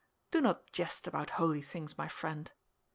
"Do not jest about holy things, my friend."